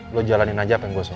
lo jalanin aja apa yang gue suka